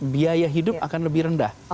biaya hidup akan lebih rendah